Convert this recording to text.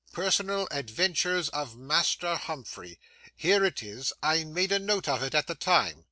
Personal Adventures of Master Humphrey. Here it is. I made a note of it at the time.